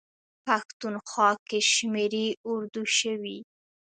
پښتونخوا کې شمېرې اردو شوي.